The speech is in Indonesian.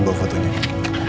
tidak ada yang bisa dihukum